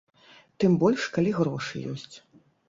Тым больш, калі грошы ёсць.